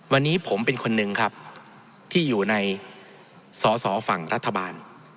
วันนี้ผมเป็นคนหนึ่งครับที่อยู่ในสอสอฝั่งรัฐบาล